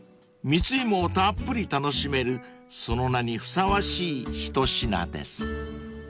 ［蜜芋をたっぷり楽しめるその名にふさわしい一品です］